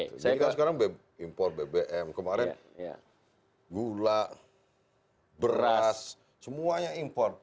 jadi kan sekarang impor bbm kemarin gula beras semuanya impor